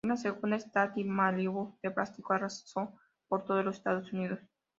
Una segunda Stacy Malibu de plástico arrasó por todos los Estados Unidos.